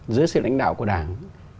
giữa sự lãnh đạo của đảng